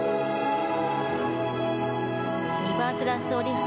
リバースラッソーリフト。